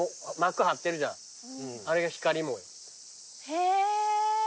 ・へえ。